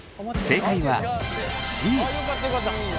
正解はＣ。